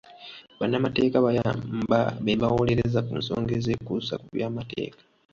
Bannamateeka bayamba be bawolereza ku nsonga ez'ekuusa ku by'amateeka.